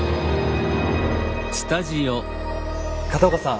片岡さん